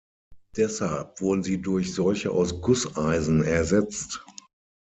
Deshalb wurden sie durch solche aus Gusseisen ersetzt.